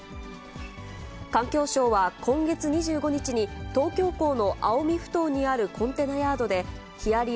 環境省は今月２５日に、東京港の青海ふ頭にあるコンテナヤードで、ヒアリ